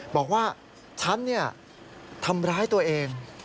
บอกว่าฉันทำร้ายตัวเอง